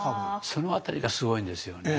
その辺りがすごいんですよね。